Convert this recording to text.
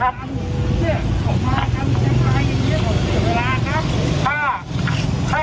เท่าไรครับ